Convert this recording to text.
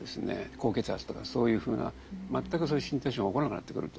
高血圧とかそういうふうな全くそういう身体症状が起こらなくなってくると。